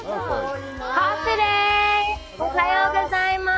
おはようございます。